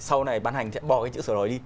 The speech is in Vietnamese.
sau này ban hành sẽ bò cái chữ sửa đổi đi